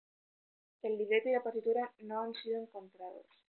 El libreto y la partitura no han sido encontrados.